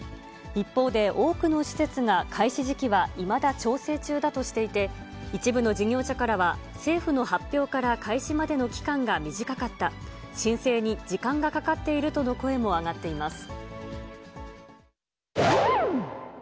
一方で、多くの施設が開始時期はいまだ調整中だとしていて、一部の事業者からは、政府の発表から開始までの期間が短かった、申請に時間がかかっているとの声も上がっています。